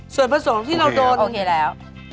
ส่วนผสมที่เราโดนโอเคแล้ว